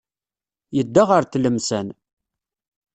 Yedda ɣer Tlemsan.